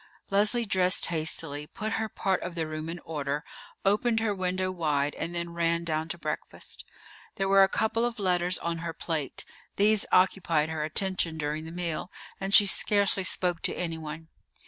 Leslie dressed hastily, put her part of the room in order, opened her window wide, and then ran down to breakfast. There were a couple of letters on her plate. These occupied her attention during the meal, and she scarcely spoke to anyone.